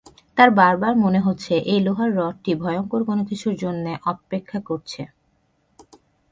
তাঁর বারবার মনে হচ্ছে, এই লোহার রডটি ভয়ঙ্কর কোনোকিছুর জন্যে অপেক্ষা করছে।